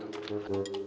tidak tidak tidak